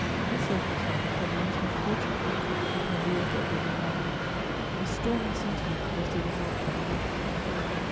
This circumstance had the most unfortunate influence upon the author of the memorandum; a stormy sentiment was the result of an interview.